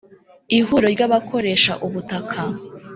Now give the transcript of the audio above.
ihuriro ry'abakoresha ubutaka,